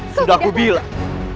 sudah aku bilang